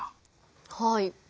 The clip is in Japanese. はい。